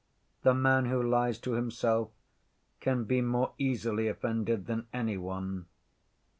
The man who lies to himself can be more easily offended than any one.